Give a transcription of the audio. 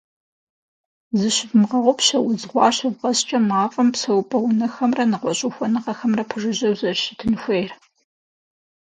Зыщывмыгъэгъупщэ, удз гъуар щывгъэскӏэ мафӏэм псэупӏэ унэхэмрэ нэгъуэщӏ ухуэныгъэхэмкӏэ пэжыжьэу зэрыщытын хуейр.